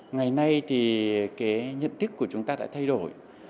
ngày nay thì cái nhận thức của chúng ta đã thay đổi